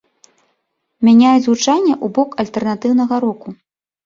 Мяняюць гучанне ў бок альтэрнатыўнага року.